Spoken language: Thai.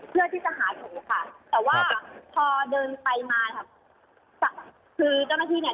เพื่อที่จะหาหนูค่ะแต่ว่าพอเดินไปมาคือเจ้าหน้าที่เนี่ย